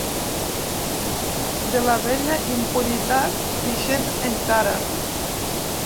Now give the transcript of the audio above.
De la vella impunitat, vigent encara.